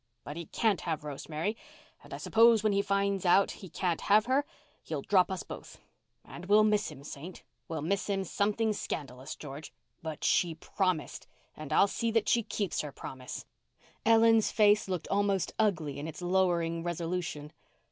But he can't have Rosemary—and I suppose when he finds out he can't have her he'll drop us both. And we'll miss him, Saint—we'll miss him something scandalous, George. But she promised, and I'll see that she keeps her promise!" Ellen's face looked almost ugly in its lowering resolution.